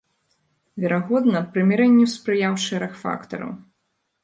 Верагодна, прымірэнню спрыяў шэраг фактараў.